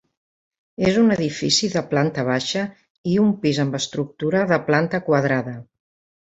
És un edifici de planta baixa i un pis amb estructura de planta quadrada.